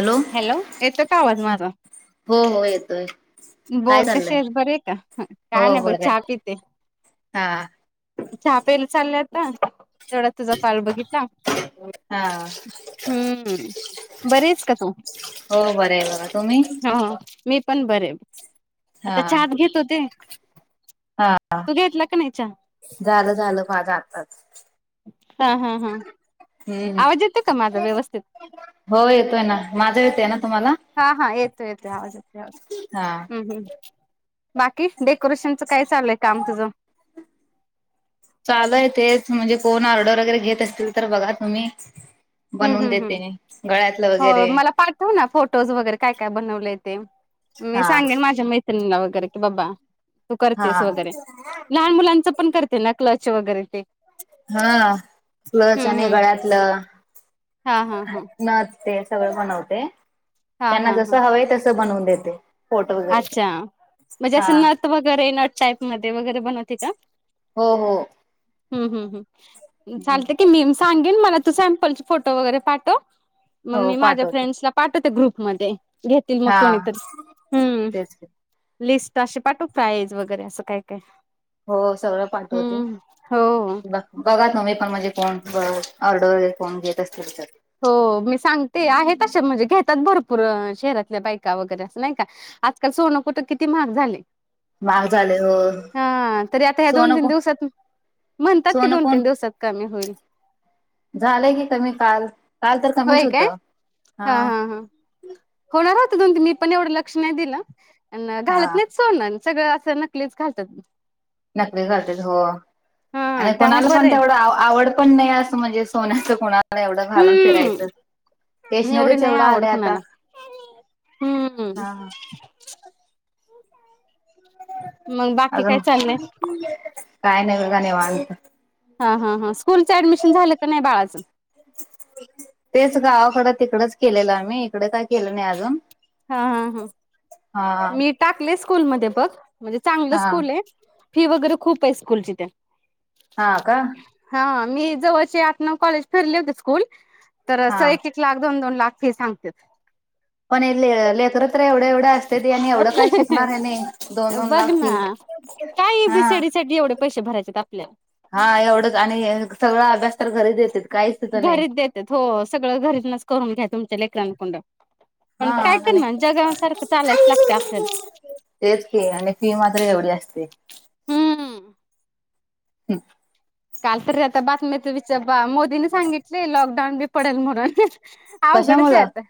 Hello. Hello, येतोय का आवाज माझा? हो हो येतोय. काय बोल चाललंय कशीयेस बरीय का? हो काय नाही बघ, बरं च्या पीतेय. हा. च्या प्यायला चालले आता? तेवढ्या त तुझा कॉल बघितला, हा हम्म बरीयस का तू? हो बरी आहे बघा, तुम्ही? हं मी पण बरीय, आता चहाच घेत होते. हा हा, तू घेतला का नाही चहा झालं झालं माज आताच. हा हां हां. हम्म, हो येतोय ना, माझा येतोय ना तुम्हाला? हा हा येतोय येतोय आवाज, येतोय आवाज हा हम्म हम्म. बाकी, डेकोरेशनचं काय चालूय काम तुझं? चालुय तेच, म्हणजे कोण ऑर्डर वगैरे घेत असतील तर बघा तुम्ही? हम्म बनवून हम्म देते हम्म मी. गळ्यातलं हो वगैरे मला पाठव ना फोटोज वगैरे काय काय बनवले ते, मी हा सांगेन माझ्या मैऽ वगैरे की बाबा, तू हा करतेयस वगैरे, लहान ऽ मुलांच पण करते ना? कल्च वगैरे ते. हा, कल्च हम्म आणी हम्म. गळ्यातलं. हा हा हा. नथ ते सगळं बनवते, हा त्यांना हा जस हा हवं तस बनवून देते. फोटो वगैरे अच्छा, म्हणजे हा असं नथ वगैरे नथ टाईप मध्ये वगैरे बनवते का? हो हो. हम्म हम् हम, चालतय हो की मीऽ सांगेन, मला तू सॅम्पल फोटो वगैरे पाठव, मग मी माझ्या पाठवते फ्रेंडलाऽ पाठवते ग्रुपमध्ये, घेतील मग हा कोणीतरी? हम्म. तेच की, लिस्ट अशी पाठव प्राईज, वैगेरे असं, काय? काय? हो सगळं पाठवते. हम्म हो. बाक बघा तुमी पण म्हणजे कोण ऑर्डरैर, कोण घेत असतील तर. हो, मी सांगते, आहेत आशा म्हणजे घेतात भरपूर. शहरातल्या बायका वगैरे असं, नाही का. आजकाल सोनं कुठं किती महाग झालय. महाग झाले हो हा तरी आता ह्या दोन सोनं तीन कोण दिवसात, म्हणतात कि सोनं दोन कोण तीन दिवसात. कमी होईल. झालंय की कमी काल, काल तर कमीच होय काय होतं. हा. होणार होत दोन तीन मी पण एवढं लक्ष नाही दिलं. हा घालत नाहीच सोन. सगळं असं नकलीच घालतात. नकलीच घालतात हो. हा आणि त्यामुळे कोणाला बरं पण आहे तेवढं आवड पण नाही असं म्हणजे सोन्याचं कोणाला एवढं घालून फिरायचं. हम्म एवढी स्टेशनरीच नाही एवढं आवड आलंय आता. कुणाला हम्म. हा मग बाकी अजून? काय चाललंय काय नाही बघा निवांत. हा हा हा. स्कूलचं ऍडमिशन झालं का नाही बाळाचं. तेच गावाकडं तिकडच केलेलं आम्ही. इकडे काय केलं नाही अजून. हा हा हा. हा मी टाकले स्कूलमध्ये बघ. म्हणजे चांगलं हा स्कूले. फी वगैरे खूपे स्कूलची त्या. हा का? हा मी जवळचे आठ नऊ कॉलेज फिरले होते स्कूल. तर अस हा एक एक लाख दोन दोन लाख फी सांगतेत. पन ले लेकरं तर एवढे एवढे दोन दोन बघ लाख ना. फी काय ए हा बी सी डी साठी एवढे पैसे भरायचे. त्यच्यात आपल्या. हा एवढंच आणि सगळा अभ्यास तर घरीच देतेत. घरीच देतेत. हो. सगळं घरूनच करून घ्या, तुमच्या लेकरांनकुंड. हा पण काय आणि करणार? जगासारखं चालायलाच लागतं आपल्याला. तेच की, आणि फी मात्र एवढी असते. हम्म. हम. काल तरी राता बातम्या वी च्या बा. मोदीने सांगितलेल लॉकडाऊन बी पडल म्हणून. अवघडचे कशामुळं आता.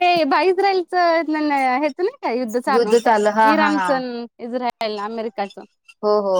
ते बाइजराइल च न हेच न. युद्ध चालू. चाललं हा हा इराण हा च इजराइल अमेरिकाचं. हो हो.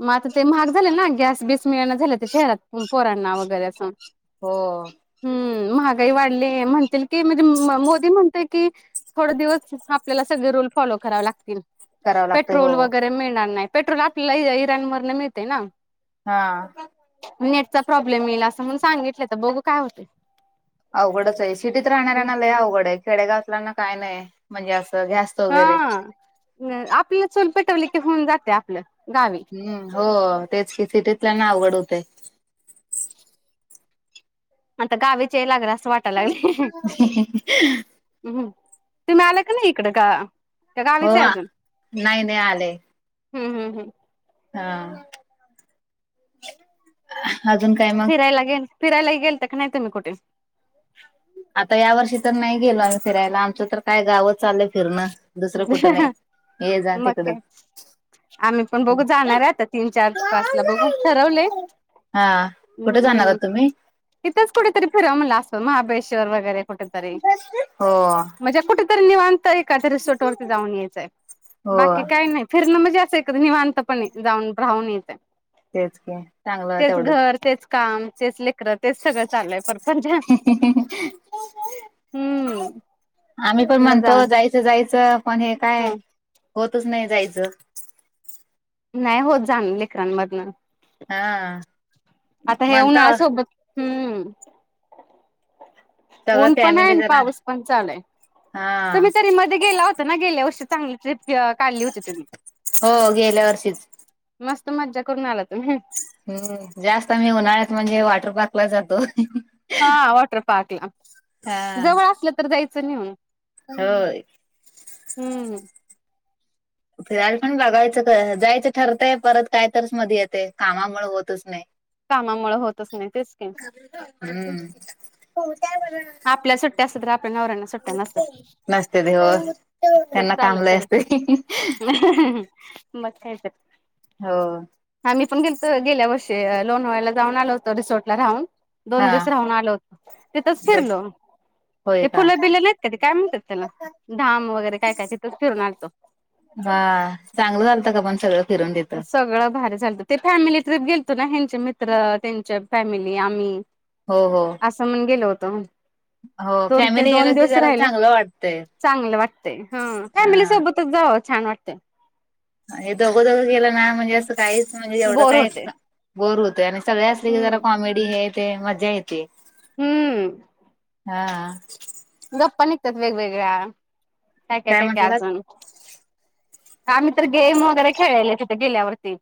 मग आता ते महाग झाले ना. गॅस बीस मिळना झाले तर पोरांना वगैरे असं. हो. हम्म महागाई वाढली. म्हणतील की म्हणजे मोदी म्हणतय की, थोड दिवस आपल्याला सगळे रूल फॉलो करावे लागतील. करावं लागतंय हो पेट्रोल वगैरे मिळणार नाय. पेट्रोल आपल्याला इराणमधन मिळते ना. हा. नेटचा प्रॉब्लेम येईल. असं म्हणून सांगितलंय आता बघू काय होते. अवघडचे. सिटीत राहणाऱ्यांना लय अवघडे. खेडेगावातल्यांना काय नाय. म्हणजे असं गॅस ह, वगैरे आपल्या चूल पेटवली की होऊन जाते आपलं गावी. हम्म, हो तेच की. सिटीतल्याना अवघड होतय. [inaudible] आता गावीचे यायला लागलं असं वाटायला लागलय. हम, तुम्ही आलं का नाही इकडं का. का गावीच हो आहे अजून नाही नाही आलेय हम्म हम्म हम्म, हा, अजून काय मग फिरायला गेल फिरायला गेलता का नाही तुम्ही कुठे. आता या वर्षी तर नाही गेलो आम्ही फिरायला आमचं तर काय गावच आलोलं फिरणं. दुसरं कुठं नाही ये जा मग तिकडच. काय आम्ही पण बघू जाणार आहे आता तीन चार पाचला बघू ठरवले. हा, कुठे जाणारात तुम्ही. इथंच कुठेतरी फिराव म्हणलं अस महाबळेश्वर वगैरे. कुठंतरी हो म्हणजे कुठतरी निवांत एक‌च रिसॉर्ट. सॉर्ट जाऊन यायचंय हो बाकी काय नाय. फिरणं म्हणजे असं एक निवांतपणे जाऊन राहून यायचं हाय. तेच की चांगलं तेच तेवढंच घर तेच काम तेच लेकरं तेच सगळं चालूय परपंचा. हम्म. आम्ही पण म्हणलं म्हणतो जाऊ जा''--'' त जायचं पण हे काय ह होतच नाही जायचं. नाय होत जाण लेकरांमधनं. हा, आता हे उन्हाळा म्हणतो सोबत हम्म, सगळं ऊन पण आय फॅमिली अन् जरा पाऊस पण चालय हा तुम्ही तरी मध्ये गेला होता. ता ना गेल्या वर्षी चांगली ट्र्रीप काढली होती तुम्ही. हो, गेल्या वर्षीच. मस्त मज्जा करून आला तुम्ही. हम्म, जास्त आम्ही उन्हाळ्यात म्हणजे वॉटर पार्कला जातो. हा, वॉटर पार्क ला हा जवळ असलं तर जायचं नेऊन. होय. हम्म, फिरायल पण बघायचं जायचं ठरतय परत काय तरच मध्ये येते कामामुळ होतच नाही. कामामुळ होतच नाही तेच की, हम, हो [unintelligible] काय बर त्यासध आपल्या नवऱ्यांना सुट्ट्या नसतात नसते ते हो तेच त्यांना चालू आहे कामलाय सगळे. असते मग काय तर. हो, आम्ही पण गेल्तो गेल्या वर्षी लोणावळ्याला जाऊन आलो होतो रिसोर्ट ला राहून. दोन हा दिवस राहून आलो तिथंच फिरलो. होय ते का फुलं बिलं नाहीत का ते काय म्हणतात त्याला धाम वगैरे काय काय तिथ फिरून आलतो. वा चांगलं झालत का पण सगळं फिरून तिथं. सगळं भारी झालत ते फॅमिली ट्रिप गेलतो ना हेंचे मित्र त्यांच्या फॅमिली आम्ही. हो हो, असं म्हण गेलो होतो. हो दोन ते फॅमिली दोन गेलं की दिवस जरा राहिलं चांगलं वाटतंय चांगलं वाटतंय हं फॅमिली हा सोबत. जावा छान वाटतंय. हे दोघ दोघ गेलं ना म्हणजे असं काहीच म्हणजे एवढं बोर काय होते बोर होतंय आणि. सगळे असले की हम्म जरा कॉमेडी हे ते मज्जा येते. हम्म, हा, गप्पा निघतात वेगवेगळ्या काय काय काय काय अजून आम्ही तर गेम वगैरे खेळलेले तिथे गेल्यावरती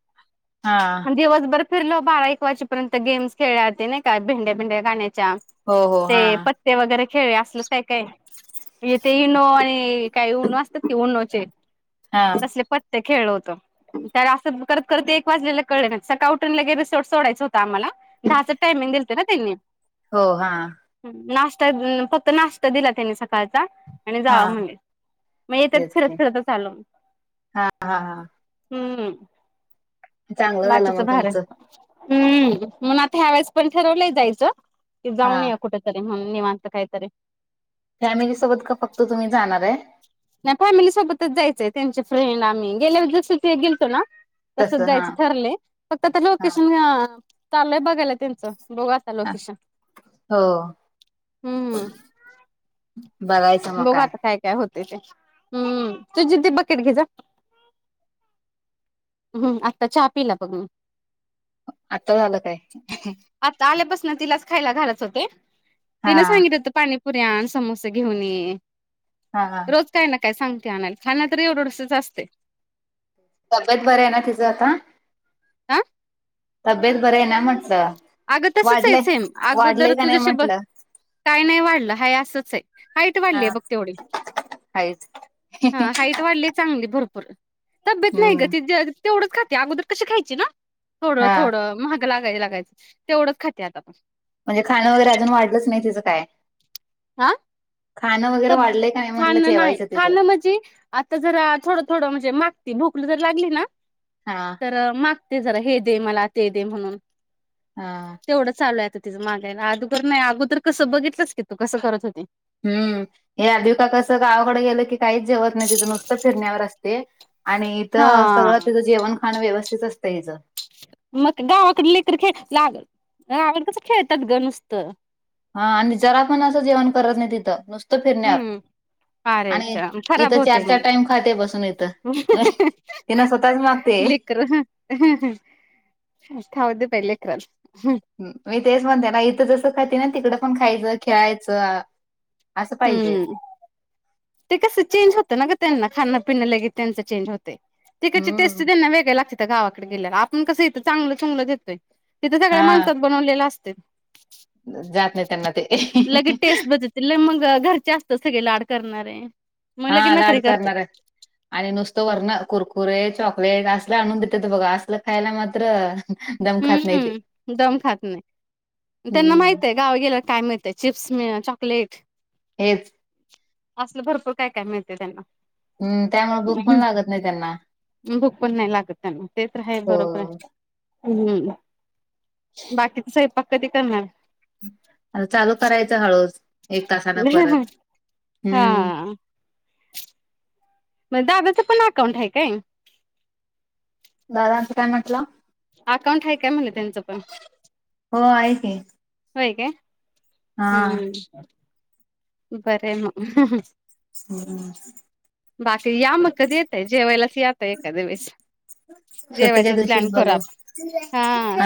हा मग दिवसभर फिरलो बारा एक वाजेपर्यंत गेम्स खेळल्या ते नाय का भेंड्या भिंड्या गाण्याच्या हो हो ते हा पत्ते वगैरे खेळले असलच काय काय ते इनो आणि काय उनो असतात की उनोचे हा तसले पत्ते खेळलो होतो त्यात असं करत करत एक वाजलेलं कळलं नाही सकाळ उठून लगेच रिसोर्ट सोडायचं होतं. आम्हाला दहाच टायमिंग दिलतं ना त्यांनी हो हा ह नाश्ता अ फक्त नाश्ता दिला त्यांनी सकाळचा आणि हा जावा म्हणले मग येता येता तेच फिरत ते फिरतच आलो मग हा हा हा हम चांगलं झालं बाकीच मग भाडं तुमचं हम म्हणून आता ह्यावेळेस पण ठरवलंय जायचं की हा जाऊन येवू कुठ तरी म्हणून निवांत कायतरी फॅमिली सोबत का फक्त तुम्ही जाणार आहे. नाही फॅमिली सोबतच जायचंय त्यांचे फ्रेंड आम्ही गेल्यावेळी जसं ग गेलतो ना. तस तसंच हा जायचं ठरलंय फक्त आता हा लोकेशन चाललंय बघायला त्यांचं बघु आता हा लोकेशन हो हम्म बघायचं मग बघू काय आता काय काय होते ते हम्म तुझी ती बकेट घे जा हम् आत्ता चहा पीला बघ मी मग आत्ताच आला काय आता आल्यापासनं तिलाच खायला घालत होते हा तिनं सांगित होत पाणी, पुऱ्या आण समोसे घेऊन ये हा हा रोज काय ना काय सांगते आणायला खाना तर एवढं एवढंंसच असतय तब्येत बरं आहे ना तिचं आता. आ तब्येत बरी आहे ना म्हंटलं अगं तसच आहे सेम अगोदर का नाही तुझ्याशी ब- म्हटलं काय नाही वाढलं हाय असंच आहे हाईट वाढलीय बघ तेवढी हाईट हा हाईट वाढली चांगली भरपूर तब्येत नाही ग हम्म ती द तेवढंच खाते अगोदर कशी खायची ना थोडं हा थोडं मग भुक लागाय लागायचं तेवढंच खात्या आता पण म्हणजे खाणं वगैरे अजून वाढलंच नाही तिचं काय? हा खाणं वगैरे त्यात वाढलंय का नाही म्हटलं खाणं नाही जेवायचं तिचं खाणं म्हणजे. आता जरा थोडं थोडं म्हणजे मागती भुक लई जर लागली ना- हा तर मागते जरा हे दे मला ते दे म्हणून, हा तेवढं चालू आहे आता तिचं मागायला अगोदर नाही अगोदर कसं बघितलंच की तू कसं करत होती हम्म ही आद्वीका कसं गावाकडे गेलं की काहीच जेवत नाही तिथं नुसतं फिरण्यावर असते. आणि इथं हा. सगळं तिचं जेवण खाणं व्यवस्थित असतं हिचं मग गावाकडं लेकरं खेळत्यात ना अगं गावी कसं खेळतात ग मस्त. हा आणि जरा पण असं जेवण करत नाही तिथं, नुसतं फिरण्यात हम्म. आणि अरेच्या खराब इथं चार, होतय चार मग. टाइम खाते बसून इथं. ते न स्वतःच मागते लेकर खाऊ दे ताई लेकराला. ह मी तेच म्हणते ना, इथं जसं खाते ना, तिकडं पण खायचं, खेळायचं. असं पाहिजे. हम्म. ते कसं, चेंज होतं ना ग त्यांना खाण, पिण लगेत त्यांच चेंज होते. तिकडची टेस्ट हम्म त्यांना वेगळे लागत्यात गावाकडे गेल्यावर. आपण कसं इथं चांगलं चुंगलं तिथे सगळ्या हा माणसात बनवलेल्या असतय. जात नाही त्यांना ते. लई मग घरचे असतात सगळे लाड करणारे. मग लगे हा लाड नखरे करतात करणारे. आणि नुसतं वरण कुरकुरे, चॉकलेट असल आणून देतेत बघा. असलं खायला मात्र दम खात नाही ते हम्म, दम खात नाही. त्यांना हम्म माहितय गाव गेल्याला काय मिळेतय? चिप्स मिळ चॉकलेट हेच. असल भरपूर काय काय मिळतय त्यांना. हम्म, त्यामुळे भूक पण लागत नाही त्यांना. भूक पण नाही लागत त्यांना. ते तर आहे हो बरोबरे. हम्म, बाकीचा स्वयंपाक कधी करणार? आता चालू करायच हळूच एक तासानं परत. हम्म हा. मग दादाचं पण अकाउंट आहे काय? दादांचं काय म्हटला? अकाउंट आहे काय म्हणल त्यांचं पण? हो आहे की व्हय काय? हा हम्म, बर आहे मग. हम्म. बाकी या मग, कधी येताय? जेवायलाच या आता एकाद्यावेळेस. सुट्टीच्या दिवशीच बघू.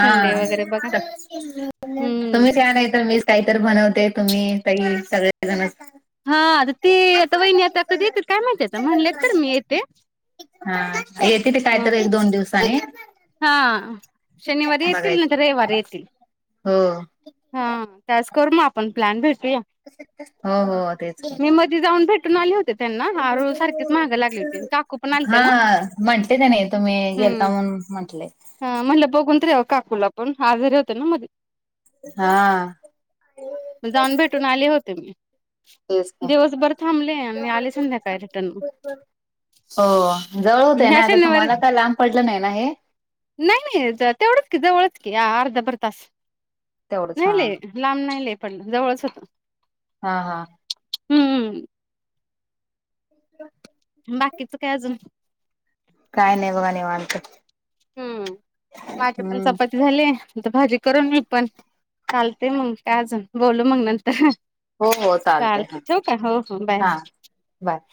संडे वगैरे बघा हम्म तुम्हीच या नाही तर मीच काही तर बनवते. तुम्ही, ताई सगळेजणच हा आता ती आता वहिणी आता कधी येत्यात काय माहिती? आता म्हणलेत तर मी येते हा येेते ती काय तर मग एक, दोन दिवसानी. हा शनिवारी येतील, नाय बघायच तर रविवारी येतील. हो. हा, त्यावेळेस करु मग आपण प्लॅन भेटूया. हो हो, तेच की. मी मधी जाऊन भेटून आले होते. त्यांना आरू सारखीच महाग लागली होती काकू पण आलते ना हा म्हणटले त्यांनी तुम्ही हम्म गेलता म्हणून. म्हंटले. हा म्हणलं बघून तर याव काकूला पण आजारी होत्या ना मधी. हा. मी जाऊन भेटून आले होते मी. तेच का दिवसभर थांबले आणि आले संध्याकाळी रिटर्न मग. हो जवळ होतंय ना ह्या आता शनिवारी तुम्हाला? काय लांब पडलं नाही ना हे? नाही नाही तेवढंच की, जवळच की अर्धा भर तास तेवढंच हा नाही लई. लांब नाही लय पडल जवळच होतं. हा हा हम्म [inaudible] बाकीच काय अजून? काय नाही बघा निवांत. हम्म, माझे पण हम्म चपा ती झाले आता भाजी करून मी पण, चालतय मग काय अजून बोलू मग नंतर. हो हो चालतय चालतंय हा ठेवू का? हो हो बाय! हा बाय!